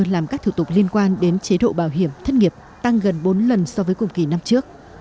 làm các thủ tục liên quan đến chế độ bảo hiểm thất nghiệp tăng gần bốn lần so với cùng kỳ năm trước